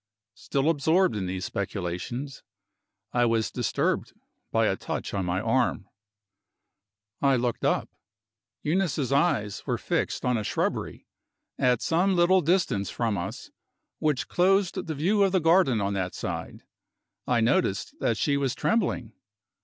Still absorbed in these speculations, I was disturbed by a touch on my arm. I looked up. Eunice's eyes were fixed on a shrubbery, at some little distance from us, which closed the view of the garden on that side. I noticed that she was trembling.